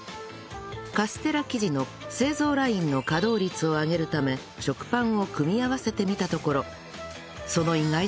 カステラ生地の製造ラインの稼働率を上げるため食パンを組み合わせてみたところそのへえ。